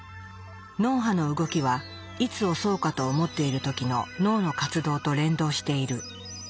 脳波の動きはいつ押そうかと思っている時の脳の活動と連動している。